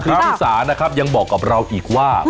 คุณชิสานะครับยังบอกกับเราอีกว่า